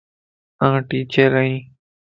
آن ٽيچر ائين